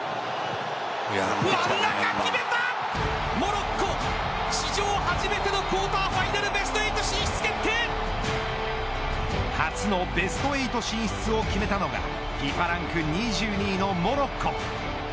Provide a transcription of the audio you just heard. モロッコ史上初めてのクオーターファイナル初のベスト８進出を決めたのがＦＩＦＡランク２２位のモロッコ。